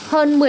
hơn hai năm nay